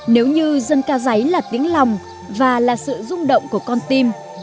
nếu như dân cao giấy là tiếng lòng và là sự rung động của con tim